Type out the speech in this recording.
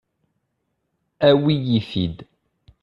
Awi-iyi-t-id.